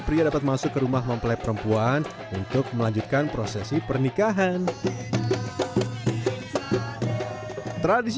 pria dapat masuk ke rumah mempelai perempuan untuk melanjutkan prosesi pernikahan tradisi